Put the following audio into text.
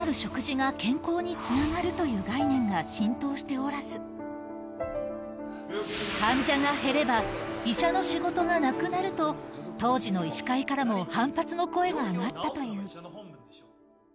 栄養のある食事が健康につながるという概念が浸透しておらず、患者が減れば医者の仕事がなくなると、当時の医師会からも反発の声が上がったという。